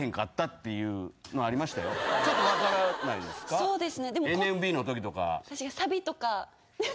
そうですね。